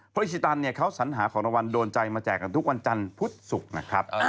ริชิตันเนี่ยเขาสัญหาของรางวัลโดนใจมาแจกกันทุกวันจันทร์พุธศุกร์นะครับ